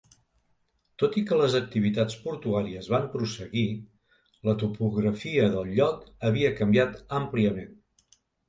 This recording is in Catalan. Tot i que les activitats portuàries van prosseguir, la topografia del lloc havia canviat àmpliament.